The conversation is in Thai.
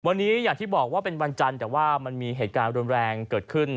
วันนี้อย่างที่บอกว่าเป็นวันจันทร์แต่ว่ามันมีเหตุการณ์รุนแรงเกิดขึ้น